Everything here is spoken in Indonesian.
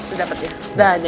udah udah dapet ya